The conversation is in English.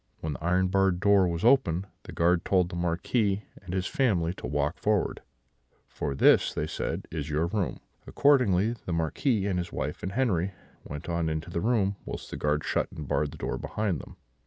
When the iron barred door was opened, the guard told the Marquis and his family to walk forward: 'For this,' said they, 'is your room.' Accordingly, the Marquis and his wife and Henri went on into the room, whilst the guard shut and barred the door behind them.